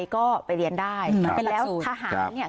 ก็ไปเรียนได้แล้วทหารเนี่ย